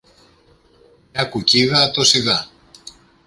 μια κουκκίδα τόση δα